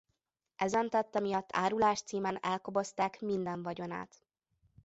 Ezen tette miatt árulás címen elkobozták minden vagyonát.